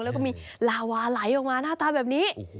แล้วก็มีลาวาไหลออกมาหน้าตาแบบนี้